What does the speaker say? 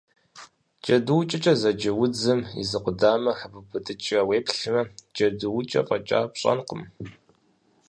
Джэдуукӏэкӏэ зэджэ удзым и зы къудамэ хэбубыдыкӏрэ уеплъмэ, джэдуукӏэ фӏэкӏа пщӏэнкъым.